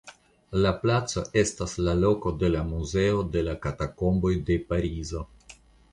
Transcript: La placo estas la loko de la muzeo de la Katakomboj de Parizo.